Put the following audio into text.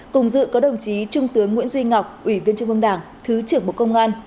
cùng dự có đồng chí trung tướng nguyễn duy ngọc ủy viên trung ương đảng thứ trưởng bộ công an